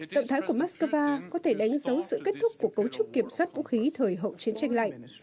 động thái của moscow có thể đánh dấu sự kết thúc của cấu trúc kiểm soát vũ khí thời hậu chiến tranh lạnh